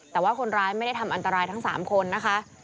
แต่ว่าคนร้ายไม่ได้ทำอันตรายทั้ง๓คนนะคะ